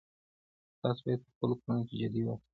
تاسو بايد په خپلو کړنو کي جدي اوسئ.